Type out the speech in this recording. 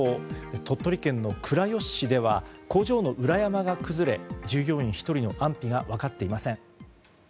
鳥取県倉吉市では工場の裏山が崩れ従業員１人の安否が分かっていません。